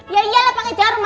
ya iyalah pakai jarum